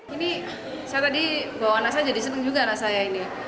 ini saya tadi bawa nasa jadi seneng juga nasa ya ini